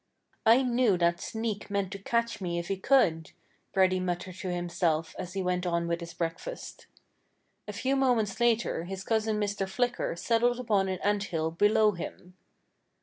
"I knew that sneak meant to catch me if he could," Reddy muttered to himself as he went on with his breakfast. A few moments later his cousin Mr. Flicker settled upon an ant hill below him.